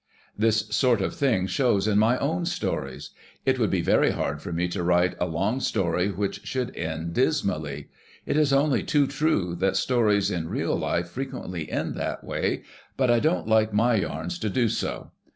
"This sort of thing shows in my own stories. It would be very hard for me to write a long story which should end dis mally. It is oiily too true that stories in real life frequently end that way, but I don't like my yarns to do so.